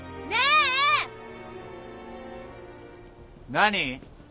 何？